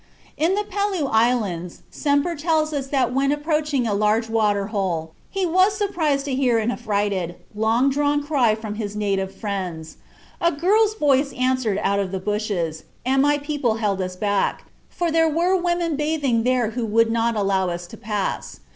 (A. Bastian, Inselgruppen in Oceanien, p. 112.) In the Pelew Islands, Semper tells us that when approaching a large water hole he was surprised to hear an affrighted, long drawn cry from his native friends. "A girl's voice answered out of the bushes, and my people held us back, for there were women bathing there who would not allow us to pass.